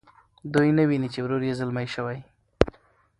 دوی نه ویني چې ورور یې ځلمی شوی.